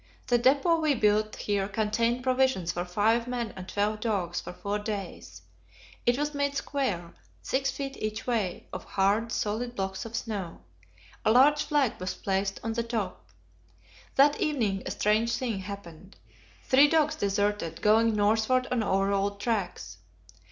The depot we built here contained provisions for five men and twelve dogs for four days; it was made square 6 feet each way of hard, solid blocks of snow. A large flag was placed on the top. That evening a strange thing happened three dogs deserted, going northward on our old tracks.